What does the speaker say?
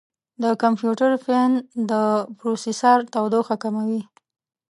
د کمپیوټر فین د پروسیسر تودوخه کموي.